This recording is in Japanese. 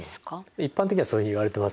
一般的にはそういわれてますよね。